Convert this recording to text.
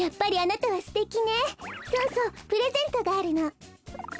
そうそうプレゼントがあるの。